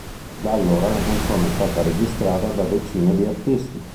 Da allora la canzone è stata registrata da decine di artisti.